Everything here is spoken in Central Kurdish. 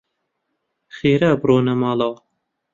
خێرا بڕۆنە ماڵەوە.